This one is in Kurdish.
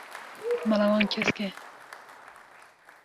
Mala wan kesk e.